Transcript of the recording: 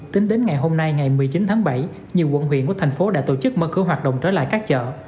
tính đến ngày hôm nay ngày một mươi chín tháng bảy nhiều quận huyện của thành phố đã tổ chức mở cửa hoạt động trở lại các chợ